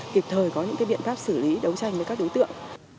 kịp thời có những biện pháp xử lý đấu tranh với các đối tượng